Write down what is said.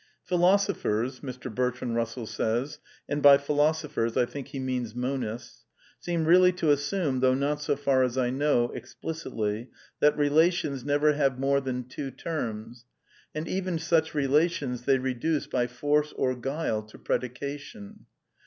'^ "Philosophers,'' Mr. Bertrand Eussell says (and by philosophers I think he means monists), "seem really to assume — though not so far as I know, explicitly — that re lations never have more than two terms : and even such re lations they reduce by force or guile to predication.